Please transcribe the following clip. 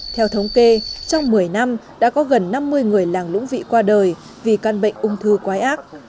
theo thống kê trong một mươi năm đã có gần năm mươi người làng lũng vị qua đời vì căn bệnh ung thư quái ác